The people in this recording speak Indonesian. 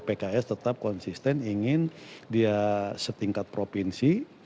pks tetap konsisten ingin dia setingkat provinsi